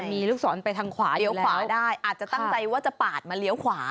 มีลูกศรไปทางขวาอยู่แล้วอาจจะตั้งใจว่าจะปาดมาเลี้ยวขวา